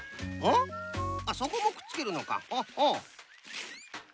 あっそこもくっつけるのか。